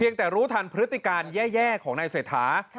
จะรู้ทันพฤติการแย่ของในเศรษฐา